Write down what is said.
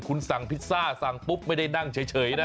คุณสั่งพิซซ่าสั่งปุ๊บไม่ได้นั่งเฉยนะ